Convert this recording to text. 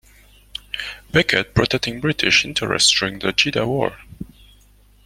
Beckett, protecting British interests during the Jeddah War.